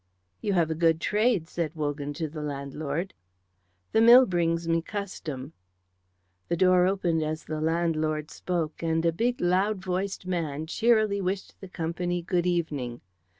"You have a good trade," said Wogan to the landlord. "The mill brings me custom." The door opened as the landlord spoke, and a big loud voiced man cheerily wished the company good evening.